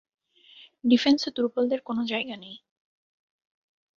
ডিফেন্সে দুর্বলদের কোন জায়গা নেই।